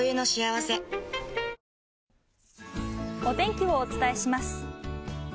お天気をお伝えします。